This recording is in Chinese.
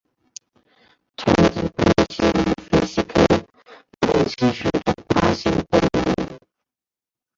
长肢攀蜥为飞蜥科攀蜥属的爬行动物。